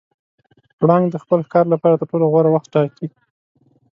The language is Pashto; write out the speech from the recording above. پړانګ د خپل ښکار لپاره تر ټولو غوره وخت ټاکي.